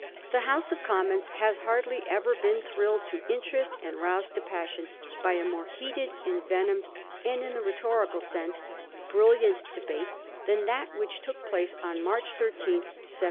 The House of Commons has hardly ever been thrilled to interest and roused to passion by a more heated, en venomed, and, in the rhetorical sense, brilliant debate than that which took place on March 13, 1734.